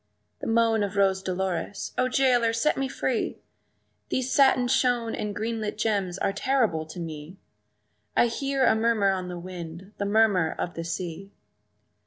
The moan of Rose Dolores, "O jailer, set me free! These satin shoon and green lit gems are terrible to me; I hear a murmur on the wind, the murmur of the sea!"